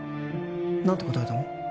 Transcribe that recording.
何て答えたの？